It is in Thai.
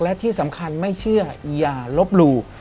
และที่สำคัญไม่เชื่ออย่าลบหลู่